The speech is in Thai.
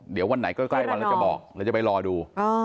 เดี๋ยววันไหนใกล้วันแล้วจะบอกแล้วจะไปรอดู